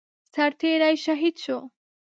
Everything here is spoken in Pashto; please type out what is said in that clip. سرتيری شهید شو